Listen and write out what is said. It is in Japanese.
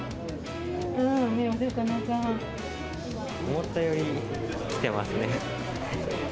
思ったより来てますね。